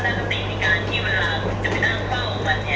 แต่ผมได้มีการจ่ายให้คุณสื้อสินค้าไปแล้ว